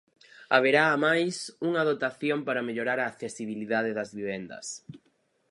Haberá amais unha dotación para mellorar a accesibilidade das vivendas.